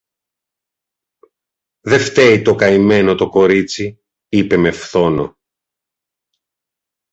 Δε φταίει το καημένο το κορίτσι, είπε με φθόνο.